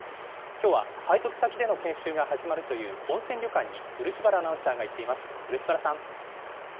きょうは配属先での研修が始まるという温泉旅館に、漆原アナウン